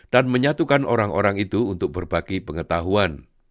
dan menyatukan orang orang itu untuk berbagi pengetahuan